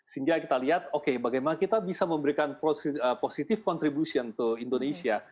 sehingga kita lihat oke bagaimana kita bisa memberikan positive contribution ke indonesia